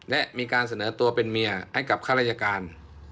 และมีการเสนอตัวเป็นเมียให้กับข้าราชการ